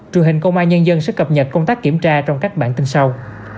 truyền hình công an nhân dân sẽ cập nhật công tác kiểm tra trong các bản tin sau